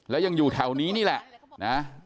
แล้วยังอยู่แถวนี้นี่แหละนะ